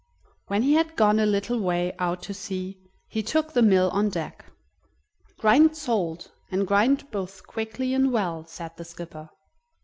When he had gone a little way out to sea he took the mill on deck. "Grind salt, and grind both quickly and well," said the skipper.